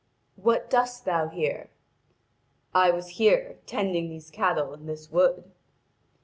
'What dost thou here?' 'I was here, tending these cattle in this wood.'